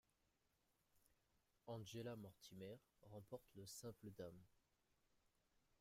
Angela Mortimer remporte le simple dames.